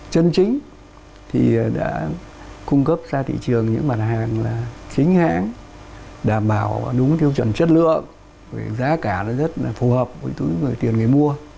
chân chính đã cung cấp ra thị trường những mặt hàng chính hãng đảm bảo đúng tiêu chuẩn chất lượng giá cả rất phù hợp với tiền người mua